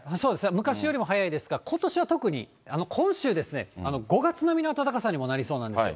昔よりも早いですが、ことしは特に、今週ですね、５月並みの暖かさにもなりそうなんですよ、